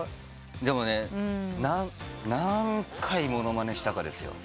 でもね何回物まねしたかですよ。